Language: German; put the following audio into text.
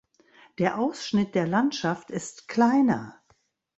Der Ausschnitt der Landschaft ist kleiner.